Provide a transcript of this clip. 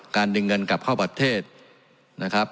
ดึงเงินกลับเข้าประเทศนะครับ